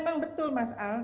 memang betul mas al